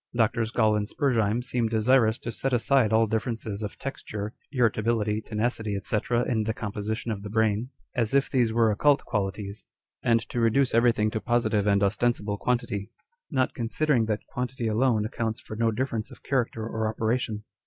Drs. Gall and Spurzheim seem desirous to set aside all differences of texture, irritability, tenacity, &c. in the composition of the brain, as if these were occult qualities, and to reduce everything to positive and ostensible quantity ; not considering that quantity alone accounts for no difference of character or operation.